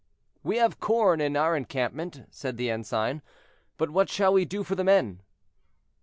"We have corn in our encampment," said the ensign, "but what shall we do for the men?"